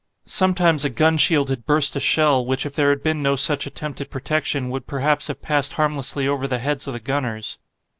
Sometimes a gun shield had burst a shell, which if there had been no such attempt at protection would perhaps have passed harmlessly over the heads of the gunners.